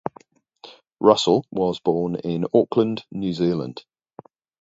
Russell was born in Auckland, New Zealand.